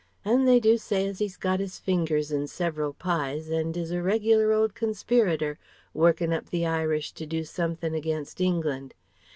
And they do say as 'e's got 'is fingers in several pies and is a reg'lar old conspirator, working up the Irish to do something against England.